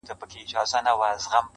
په تدبيرونو کي دې هر وختې تقدير ورک دی